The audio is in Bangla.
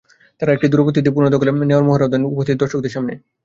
তাঁরা একটি দূরবর্তী দ্বীপ পুনর্দখলে নেওয়ার মহড়াও দেন উপস্থিত দর্শকদের সামনে।